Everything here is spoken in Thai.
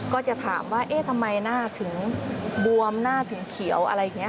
ก็จะถามว่าเอ๊ะทำไมหน้าถึงบวมหน้าถึงเขียวอะไรอย่างนี้